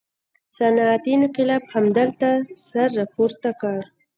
صنعتي انقلاب همدلته سر راپورته کړ.